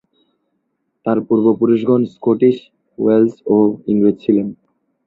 তার পূর্বপুরুষগণ Scottish, Welsh ও ইংরেজ ছিলেন।